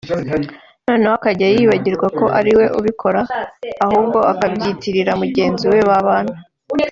noneho akajya yibagirwa ko ariwe ubikora ahubwo akabyitirira mugenzi we babana